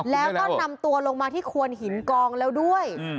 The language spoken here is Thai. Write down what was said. แล้วก็นำตัวลงมาที่ควนหินกองแล้วด้วย